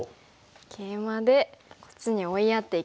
ケイマでこっちに追いやっていきます。